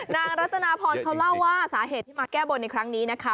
นางรัตนาพรเขาเล่าว่าสาเหตุที่มาแก้บนในครั้งนี้นะคะ